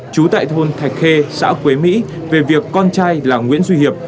trú tại thôn thạch khê xã quế mỹ về việc con trai là nguyễn duy hiệp